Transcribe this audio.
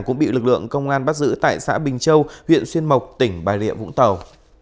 cũng bị lực lượng công an bắt giữ tại xã bình châu huyện xuyên mộc tỉnh bà rịa vũng tàu